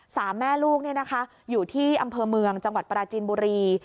สามแม่ลูกอยู่ที่อำเภอเมืองจังหวัดปราจีนบุรี